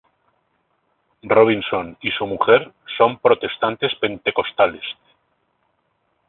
Robinson y su mujer son protestantes pentecostales.